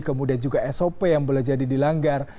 kemudian juga sop yang boleh jadi dilanggar